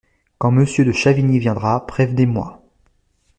Quand Monsieur de Chavigny viendra, prévenez-moi.